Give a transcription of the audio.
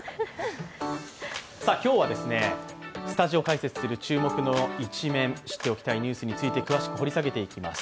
今日はスタジオ解説する注目のイチメン、知っておきたいニュースについて詳しく掘り下げていきます。